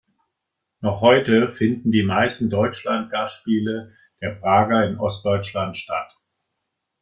Noch heute finden die meisten Deutschland-Gastspiele der Prager in Ostdeutschland statt.